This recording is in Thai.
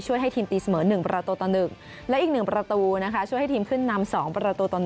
ให้ทีมตีเสมอ๑ประตูต่อ๑และอีก๑ประตูนะคะช่วยให้ทีมขึ้นนำ๒ประตูต่อ๑